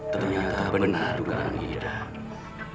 ternyata benar tukang hidang